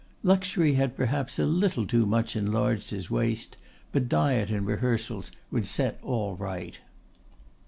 Luxury had perhaps a little too much enlarged his waist, but diet and rehearsals would set all right.